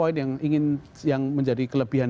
ingin yang menjadi kelebihan